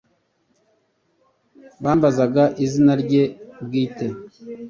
bambazaga izina rye bwite